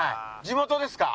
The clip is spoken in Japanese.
地元ですか？